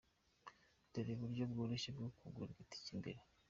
Dore uburyo bworoshye bwo kugura itike mbere:.